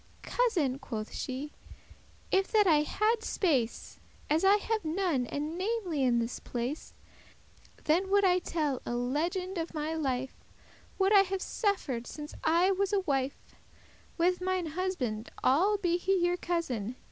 "Cousin," quoth she, "if that I hadde space, As I have none, and namely* in this place, *specially Then would I tell a legend of my life, What I have suffer'd since I was a wife With mine husband, all* be he your cousin.